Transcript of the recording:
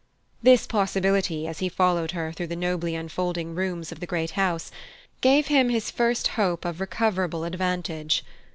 This possibility, as he followed her through the nobly unfolding rooms of the great house, gave him his first hope of recoverable advantage.